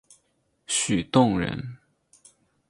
许洞人。